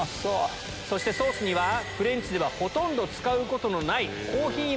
そしてソースにはフレンチではほとんど使うことのない。